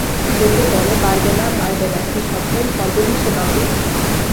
লোকে বলে বারবেলা, বারবেলা কী সবটাই সর্বনেশে বাপু?